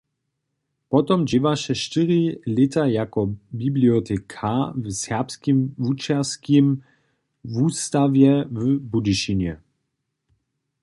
Potom dźěłaše štyri lěta jako bibliotekarka w Serbskim wučerskim wustawje w Budyšinje.